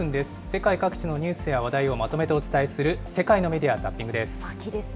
世界各地のニュースや話題をまとめてお伝えする世界のメディア・ザッピングです。